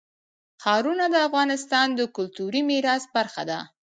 ښارونه د افغانستان د کلتوري میراث برخه ده.